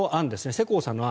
世耕さんの案。